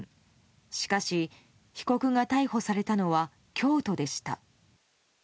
しかし、被告が逮捕されたのは京都でした。